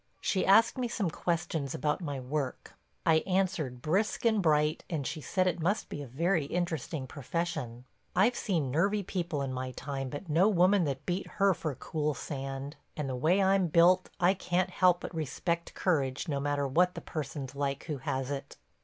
She asked me some questions about my work. I answered brisk and bright and she said it must be a very interesting profession. I've seen nervy people in my time but no woman that beat her for cool sand, and the way I'm built I can't help but respect courage no matter what the person's like who has it.